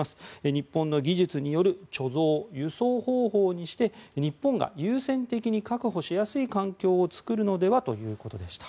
日本の技術による貯蔵・輸送方法にして日本が優先的に確保しやすい環境を作るのではということでした。